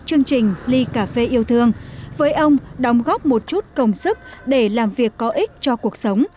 chương trình ly cà phê yêu thương với ông đóng góp một chút công sức để làm việc có ích cho cuộc sống